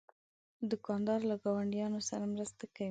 دوکاندار له ګاونډیانو سره مرسته کوي.